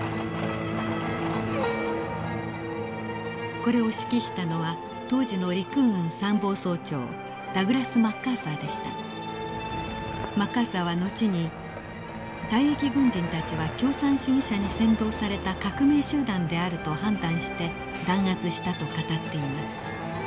これを指揮したのはマッカーサーは後に退役軍人たちは共産主義者に扇動された革命集団であると判断して弾圧したと語っています。